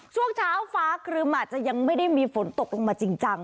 ช่วงเช้าฟ้าครึมอาจจะยังไม่ได้มีฝนตกลงมาจริงจัง